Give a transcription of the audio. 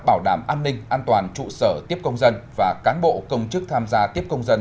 bảo đảm an ninh an toàn trụ sở tiếp công dân và cán bộ công chức tham gia tiếp công dân